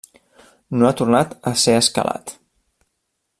No ha tornat a ser escalat.